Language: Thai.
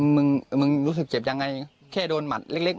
มึงมึงรู้สึกเจ็บยังไงแค่โดนหมัดเล็ก